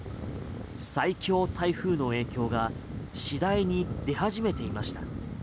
最強台風の影響が次第に出始めていました。